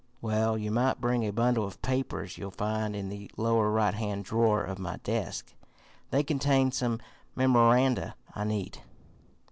"Well, you might bring a bundle of papers you'll find in the lower right hand drawer of my desk. They contain some memoranda I need."